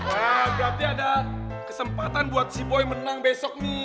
wah berarti ada kesempatan buat si boy menang besok nih